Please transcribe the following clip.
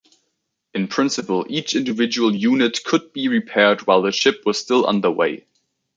In principle each individual unit could be repaired while the ship was still underway.